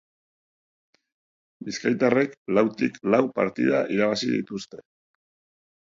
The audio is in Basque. Bizkaitarrek lautik lau partida irabazi dituzte.